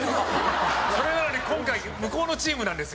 それなのに今回向こうのチームなんですよ。